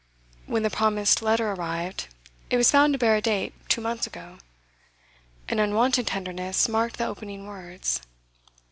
When the promised letter arrived, it was found to bear a date two months ago. An unwonted tenderness marked the opening words.